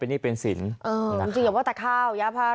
โอ้ย